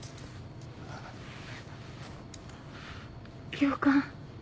教官？